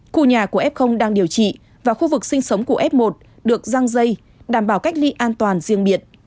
khu nhà của f đang điều trị và khu vực sinh sống của f một được răng dây đảm bảo cách ly an toàn riêng biệt